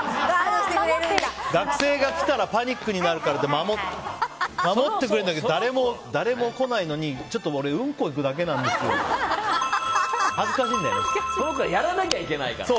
学生が来たらパニックになるからって守ってくれているんだけど誰も来ないのに、ちょっと俺うんこいくだけなんですよって。やらなきゃいけないから。